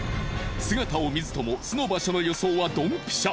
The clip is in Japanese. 姿を見ずとも巣の場所の予想はドンピシャ。